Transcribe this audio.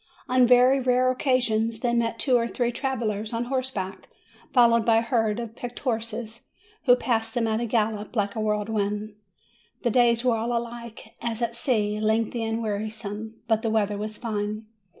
On very rare occasions they met two or three travellers on horseback, followed by a herd of picked horses, who passed them at a gallop, like a whirlwind. The days were all alike, as at sea, lengthy and wearisome; but the weather was fine.